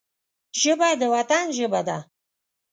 ژبه د وطن ژبه ده